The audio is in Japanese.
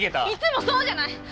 いつもそうじゃない！